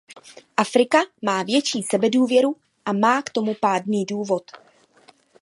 Afrika má větší sebedůvěru a má k tomu pádný důvod.